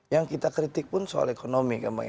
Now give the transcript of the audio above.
yang kita kritik pun soal ekonomi